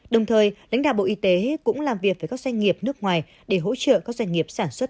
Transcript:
đồng thời lãnh đạo bộ y tế cũng làm việc với các doanh nghiệp nước ngoài để hỗ trợ các doanh nghiệp sản xuất